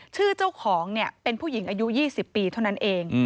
ชื่อเจ้าของเป็นผู้หญิงอายุ๒๐ปีเท่านั้นเอง